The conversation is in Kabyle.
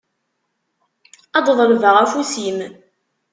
Ad d-ḍelbeɣ afus-im.